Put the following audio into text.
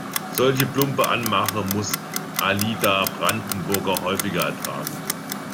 Solch plumpe Anmache muss Alida Brandenburger häufiger ertragen.